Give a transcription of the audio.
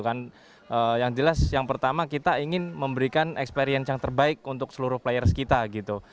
kan yang jelas yang pertama kita ingin memberikan experience yang terbaik untuk seluruh players kita gitu